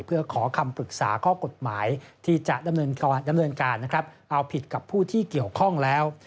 เพื่อขอคำปรึกษาข้อกฎหมายที่จะดำเนินการเอาผิดกับผู้ที่เกี่ยวข้องแล้ว